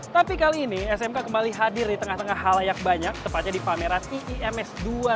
tapi kali ini smk kembali hadir di tengah tengah halayak banyak tepatnya di pameran iims dua ribu dua puluh